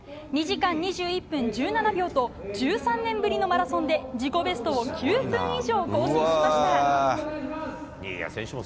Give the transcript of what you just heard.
２時間２１分１７秒と１３年ぶりのマラソンで自己ベストを９分以上更新しました。